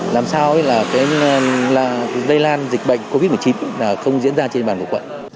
làm sao cái lây lan dịch bệnh covid một mươi chín không diễn ra trên bàn quận